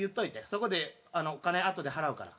そこでお金後で払うから。